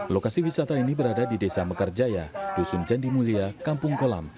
lokasi wisata ini berada di desa mekarjaya dusun jandi mulia kampung kolam